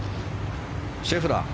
シェフラー。